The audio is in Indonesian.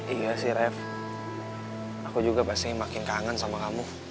iya sih ref aku juga pasti makin kangen sama kamu